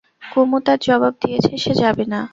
কুমু তার জবাব দিয়েছে, সে যাবে না।